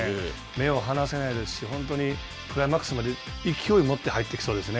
目を離せないですし本当にクライマックスまで勢いを持って入っていきそうです